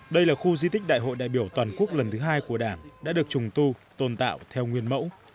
đây là khu di tích đại hội đại biểu toàn quốc lần thứ hai của đảng đã được trùng tu tôn tạo theo nguyên mẫu